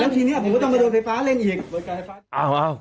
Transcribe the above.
แล้วทีนี้ผมก็ต้องไปโดนไฟฟ้าเล่นอีก